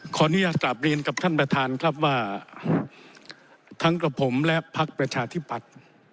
ขออนุญาตกลับเรียนกับท่านประธานครับว่าทั้งกับผมและพักประชาธิปัตย์